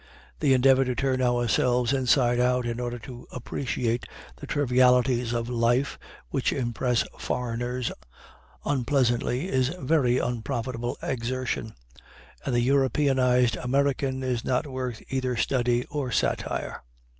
The endeavor to turn ourselves inside out in order to appreciate the trivialities of life which impress foreigners unpleasantly is very unprofitable exertion, and the Europeanized American is not worth either study or satire.